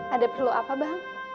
ada perlu apa bang